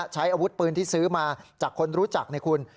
ใช้อาวุธปืนที่ซื้อมาจากคนรู้จักเนี่ยคุณ